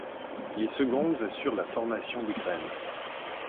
Les secondes assurent la formation des graines.